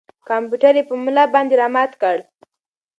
کمپیوټر یې په ملا باندې را مات کړ.